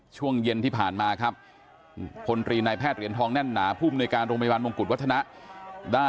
ช่วงเย็นที่ผ่านมาครับพลตรีนายแพทย์เหรียญทองแน่นหนาภูมิในการโรงพยาบาลมงกุฎวัฒนะได้